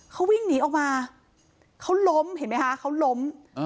เขาวิ่งหนีออกมาเขาล้มเห็นไหมคะเขาล้ม